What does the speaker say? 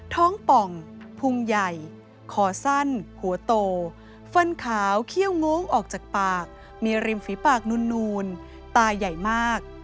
ท้องป่องพุงใหญ่คอสั้นหัวโตฟันขาวเขี้ยวงออกจากปากมีริมฝีปากนูนตาใหญ่มาก